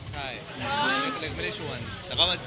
อ๋อเหมือนว่าเลยก็ไม่ได้ชวนแต่ก็มาชวน